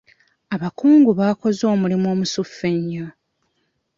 Abakungu baakoze omulimu omusufu ennyo.